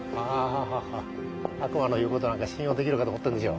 あ悪魔の言うことなんか信用できるかと思ってんでしょ。